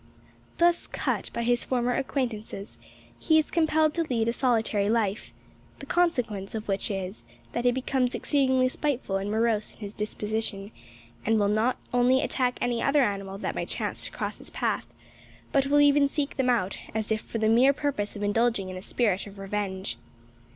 Thus cut by his former acquaintances, he is compelled to lead a solitary life the consequence of which is, that he becomes exceedingly spiteful and morose in his disposition, and will not only attack any other animal that may chance to cross his path, but will even seek them out, as if for the mere purpose of indulging in a spirit of revenge!